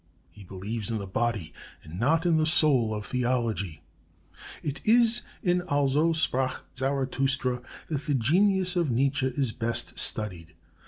He believes in the body and not in the soul of theology.... "It is in Also sprach Zarathustra that the genius of Nietzsche is best studied.